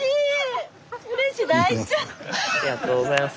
スタジオありがとうございます。